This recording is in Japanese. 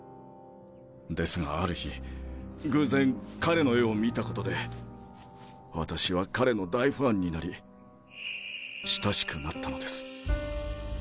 ですがある日偶然彼の絵を見たことで私は彼の大ファンになり親しくなったのです。